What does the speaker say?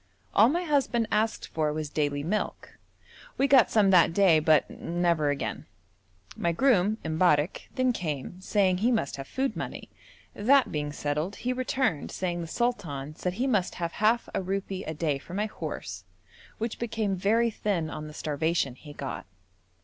All my husband asked for was daily milk. We got some that day, but never again. My groom, M'barrek, then came, saying he must have food money; that being settled, he returned saying the sultan said he must have half a rupee a day for my horse, which became very thin on the starvation he got.